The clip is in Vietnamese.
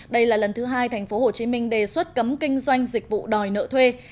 đây là lần thứ hai tp hcm đề xuất cấm kinh doanh dịch vụ đòi nợ thuê